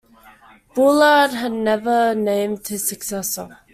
Bullard had never named his successor.